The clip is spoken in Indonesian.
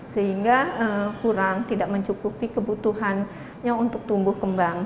sehingga kurang tidak mencukupi kebutuhannya untuk tumbuh kembang